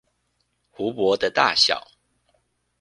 湖泊的大小